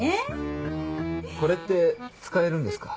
これって使えるんですか？